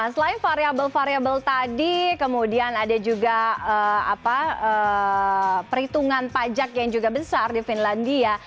selain variable variable tadi kemudian ada juga perhitungan pajak yang juga besar di finlandia